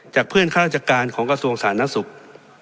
จากเพื่อนข้าราชการของกระทรวงศาลนักศึกษ์